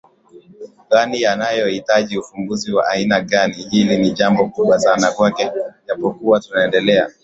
gani yanayohitaji ufumbuzi wa aina gani Hili ni jambo kubwa sana kwake japokuwa tutaendelea